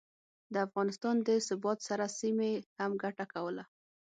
د افغانستان د ثبات سره، سیمې هم ګټه کوله